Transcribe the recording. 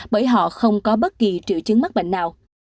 bởi họ không có bất kỳ triệu chứng mắc bệnh nào